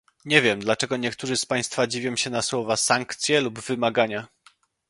Nie wiem, dlaczego niektórzy z państwa dziwią się na słowa "sankcje" lub "wymagania"